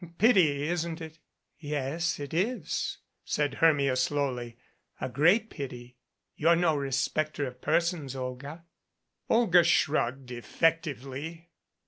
Pity isn't it?" "Yes, it is," said Hermia slowly, "a great pity you're no respecter of persons, Olga." Olga shrugged effectively.